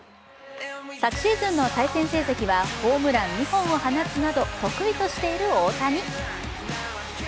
昨シーズンの対戦成績はホームラン２本を放つなど得意としている大谷。